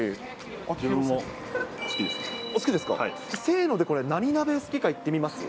せーのでこれ、何鍋好きか言ってみます？